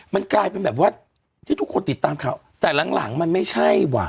มันกลายเป็นแบบว่าที่ทุกคนติดตามข่าวแต่หลังหลังมันไม่ใช่ว่ะ